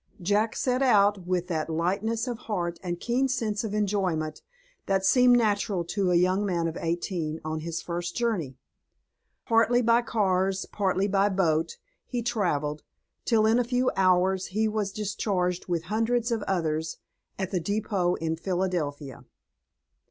JACK set out with that lightness of heart and keen sense of enjoyment that seem natural to a young man of eighteen on his first journey. Partly by cars, partly by boat, he traveled, till in a few hours he was discharged, with hundreds of others, at the depot in Philadelphia.